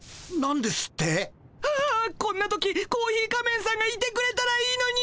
ああこんな時コーヒー仮面さんがいてくれたらいいのに。